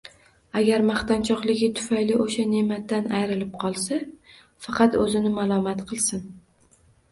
Agar maqtanchoqligi tufayli o‘sha ne’matdan ayrilib qolsa, faqat o‘zini malomat qilsin.